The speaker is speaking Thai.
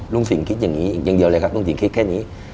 สิ่งคิดอย่างนี้อย่างเดียวเลยครับลุงสิงคิดแค่นี้